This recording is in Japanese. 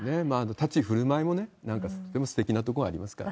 立ち振る舞いもなんかすごいすてきなところがありますからね。